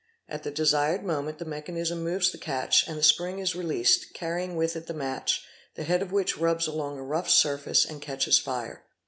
At the desired moment the mechanism moves the catch, and the spring is relea sed, carrying with it the match, the head of which rubs along a rough surface and catches fire.